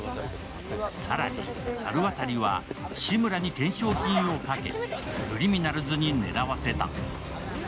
更に、猿渡は志村に懸賞金をかけクリミナルズに狙わせた。